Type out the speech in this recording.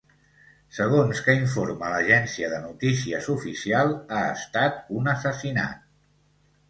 Segons que informa l’agència de notícies oficial ha estat un assassinat.